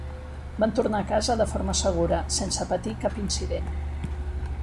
Van tornar a casa de forma segura, sense patir cap incident.